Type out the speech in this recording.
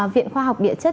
viện khoa học địa chất